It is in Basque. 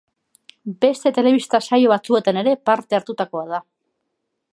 Beste telebista saio batzuetan ere parte hartutakoa da.